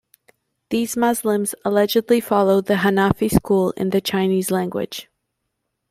These Muslims allegedly followed the Hanafi school in the Chinese language.